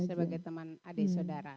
sebagai teman adik saudara